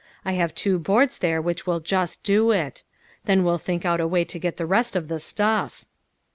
I have two boards there which will just do it. Then we'll think out a way to get the rest of the stuff."